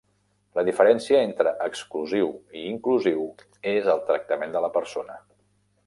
La diferència entre exclusiu i inclusiu és el tractament de la persona.